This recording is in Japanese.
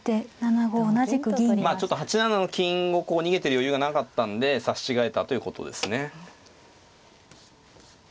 まあちょっと８七の金をこう逃げてる余裕がなかったんで刺し違えたということですね。